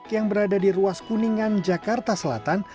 yang berada di ruas kuningan jakarta selatan